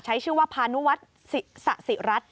ใช้ชื่อว่าพานุวัฒน์สะสิรัฐ